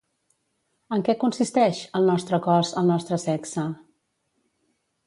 En què consisteix El Nostre cos, el nostre sexe?